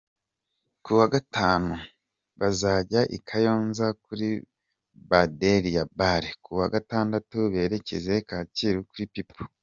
Kuwa Gatanu bazajya i Kayonza kuri Baderia bar, kuwa Gatandatu berekeze Kacyiru kuri People.